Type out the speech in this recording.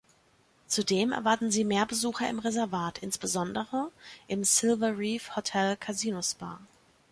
Zudem erwarten sie mehr Besucher im Reservat, insbesondere im "Silver Reef Hotel Casino Spa".